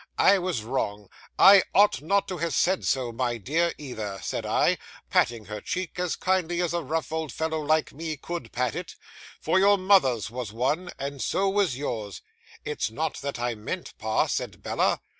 "I was wrong; I ought not to have said so, my dear, either," said I, patting her cheek as kindly as a rough old fellow like me could pat it, "for your mother's was one, and so was yours." "It's not that I meant, pa," said Bella.